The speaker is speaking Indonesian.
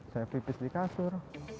saya pipis di kasur